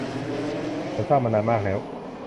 ฉันเศร้ามานานมากแล้ว